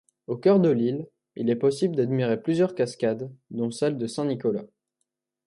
Au cœur de l'île, il est possible d'admirer plusieurs cascades dont celle de Saint-Nicolas.